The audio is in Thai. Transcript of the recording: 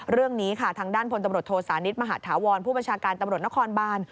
เรื่องนี้ค่ะทางด้านพลตำรวจโทษานิทมหาธาวรผู้บัญชาการตำรวจนครบาน